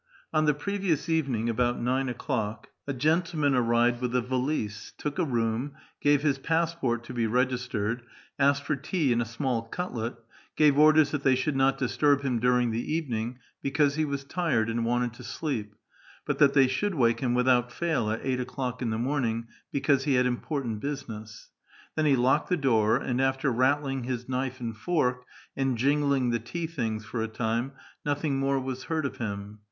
On the previous evening, about nine o'clock, a gentleman arrived with a valise, took a room, gave his passport to be registered, asked for tea and a small cutlet, gave orders that they should not disturb him during the evening, because he was tired and wanted to sleep, but that they should wake him without fail at eight o'clock in the morning, because he had im|>ortaut business. Then he locked the door; and, after rattling his knife and fork, and jingling the tea things for a time, nothing more was heard of him.